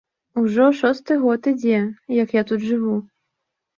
Ужо шосты год ідзе, як я тут жыву.